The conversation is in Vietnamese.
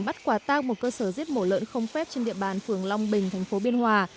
bắt quả tang một cơ sở giết mổ lợn không phép trên địa bàn phường long bình thành phố biên hòa